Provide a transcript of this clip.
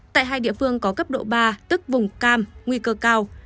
tại hai địa phương có cấp độ ba tức vùng cam nguy cơ cao